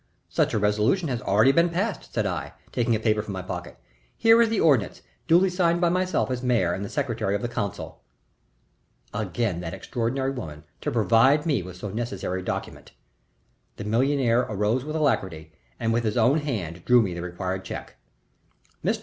"Such a resolution has already been passed," said I, taking a paper from my pocket. "Here is the ordinance, duly signed by myself as mayor and by the secretary of the council." Again that extraordinary woman, to provide me with so necessary a document! The millionaire rose with alacrity and with his own hand drew me the required check. "Mr.